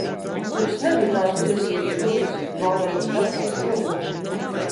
Jums nebija tādu tiesību, jums, valdošās frakcijas godavīri!